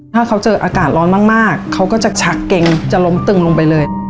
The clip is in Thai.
ถ้าเขาเจออากาศร้อนมากเขาก็จะชักเกงจะล้มตึงลงไปเลย